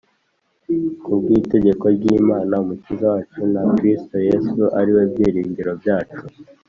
ku bw’itegeko ry’Imana Umukiza wacu na Kristo Yesu ari we byiringiro byacu,